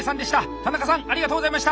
田中さんありがとうございました！